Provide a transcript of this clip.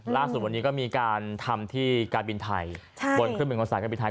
ล่าสุดวันนี้ก็มีการทำที่การบินไทยบนเครื่องบินของสายการบินไทย